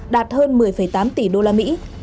đạt hơn một mươi tám tỷ usd